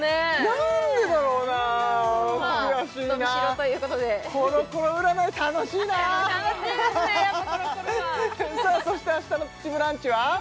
何でだろうな悔しいなまあ伸びしろということでコロコロ占い楽しいな楽しいですねやっぱコロコロはさあそして明日の「プチブランチ」は？